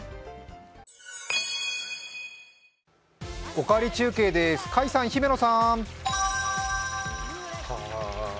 「おかわり中継」です、甲斐さん、姫野さん。